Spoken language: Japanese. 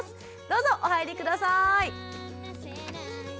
どうぞお入り下さい。